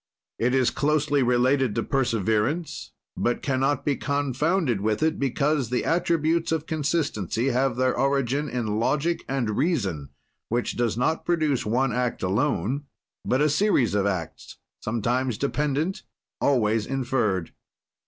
"It is closely related to perseverance, but can not be confounded with it, because the attributes of consistency have their origin in logic and reason which does not produce one act alone but a series of acts sometimes dependent, always inferred.